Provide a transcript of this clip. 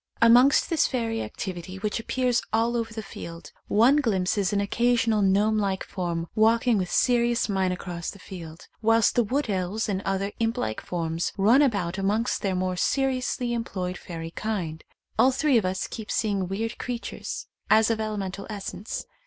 Amongst this fairy activity which appears all over the field, one glimpses an occasional gnome like form walking with serious mien across the field, whilst the wood elves and other imp like forms run about amongst their more seriously employed fairy kind. All three of us keep seeing weird creatures as of elemental essence.